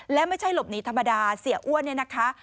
และไม่ใช่หลบหนีธรรมดาเสียอ้วนเนี่ยนะคะ